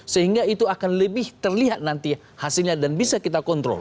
sehingga itu akan lebih terlihat nanti hasilnya dan bisa kita kontrol